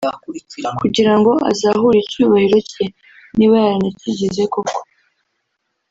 kugirango azahure icyubahiro cye (niba yaranakigize koko